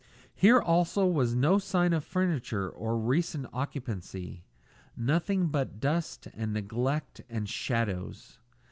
Here also was no sign of furniture or recent occupancy; nothing but dust and neglect and shadows.